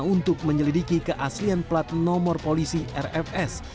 untuk menyelidiki keaslian plat nomor polisi rfs